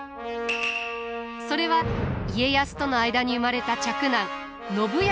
それは家康との間に生まれた嫡男信康を後見すること。